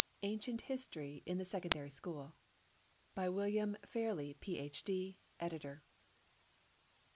Ancient History in the Secondary School WILLIAM FAIRLEY, Ph.D., Editor.